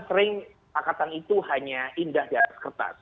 sering pakatan itu hanya indah di atas kertas